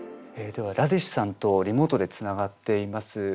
ではラディッシュさんとリモートでつながっています。